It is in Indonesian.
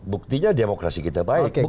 buktinya demokrasi kita baik